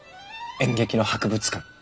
演劇の博物館？